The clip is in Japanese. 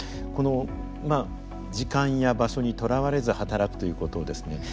この時間や場所にとらわれず働くということをですね